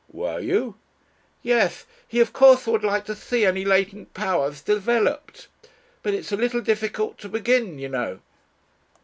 "Were you?" "Yes. He of course would like to see any latent powers developed. But it's a little difficult to begin, you know."